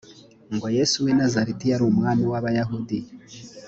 ngo yesu w i nazareti yari umwami w abayahudi